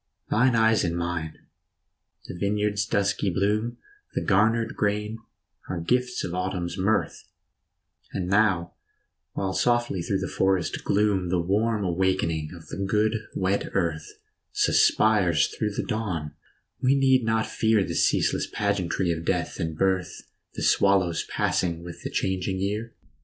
Thine eyes in mine ! The vineyard's dusky bloom, The garnered grain, are gifts of autumn's mirth ; And now, while softly through the forest gloom The warm awakening of the good wet earth 90 FALL Suspires through the dawn, we need not fear The ceaseless pageantry of death and birth, The swallow's passing with the changing year.